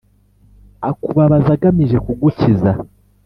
Akubabaza agamije kugukiza.